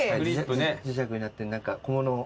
磁石になって小物を。